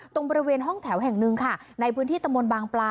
ตรงบริเวณห้องแถวแห่งหนึ่งค่ะในพื้นที่ตะมนต์บางปลา